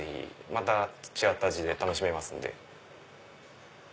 また違った味で楽しめますんで。